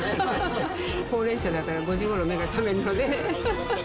高齢者だから５時ごろ目が覚めるので。